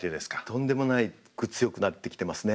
とんでもなく強くなってきてますね。